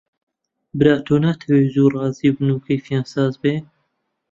برا تۆ ناتەوێ زۆر ڕازی بن و کەیفیان ساز بێ؟